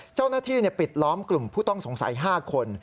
เจ้าหน้าที่ปิดล้อมกลุ่มผู้ต้องสงสัย๕คน